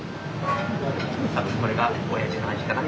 これがおやじの味かな。